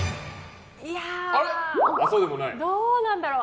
いやどうなんだろう。